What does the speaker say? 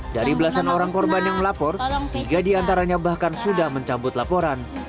dari belasan orang korban yang melapor tiga diantaranya bahkan sudah mencabut laporan